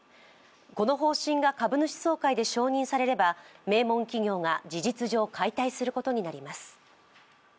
この方針が株主総会で承認されれば名門企業が事実上解体することになります。